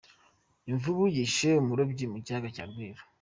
Imvubu yishe umurobyi mu kiyaga cya Rweru